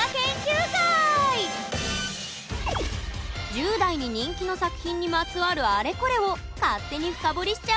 １０代に人気の作品にまつわるあれこれを勝手に深掘りしちゃうよ！